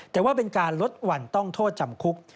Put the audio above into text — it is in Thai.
แต่ว่าเป็นการลดวันต้องโทษจำคุก